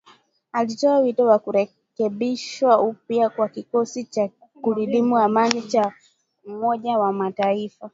alitoa wito wa kurekebishwa upya kwa kikosi cha kulinda amani cha Umoja wa Mataifa